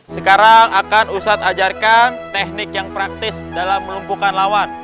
sekarang akan ustadz ajarkan teknik yang praktis dalam melumpuhkan lawan